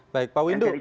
jadi jangan sampai